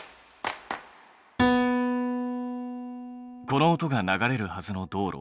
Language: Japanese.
この音が流れるはずの道路は？